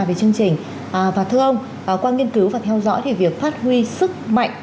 về chương trình và thưa ông qua nghiên cứu và theo dõi thì việc phát huy sức mạnh